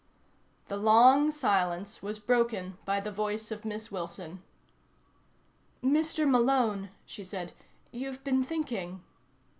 The long silence was broken by the voice of Miss Wilson. "Mr. Malone," she said. "You've been thinking."